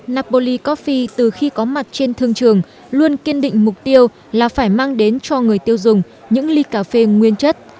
napoli cophe từ khi có mặt trên thương trường luôn kiên định mục tiêu là phải mang đến cho người tiêu dùng những ly cà phê nguyên chất